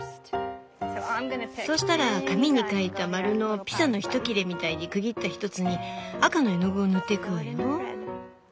そうしたら紙に描いたマルのピザの１切れみたいに区切った１つに赤の絵の具を塗っていくわよ。